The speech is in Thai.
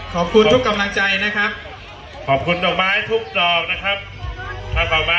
ขอบคุณทุกกำลังใจนะครับขอบคุณดอกไม้ทุกต่อนะครับ